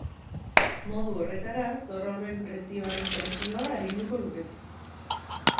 Modu horretara, zor horren prezioaren presioa arinduko lukete.